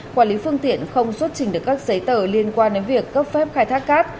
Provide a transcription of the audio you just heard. quản lý phương tiện không xuất trình được các giấy tờ liên quan đến việc cấp phép khai thác cát